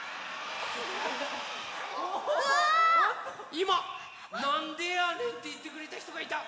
いま「なんでやねん」っていってくれたひとがいた！